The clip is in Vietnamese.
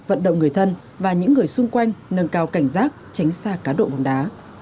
vận động người thân và những người xung quanh nâng cao cảnh giác tránh xa cá độ bóng đá